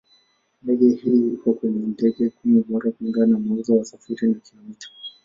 Ndege hii iko kwenye ndege kumi bora kulingana na mauzo, wasafiri na kilomita.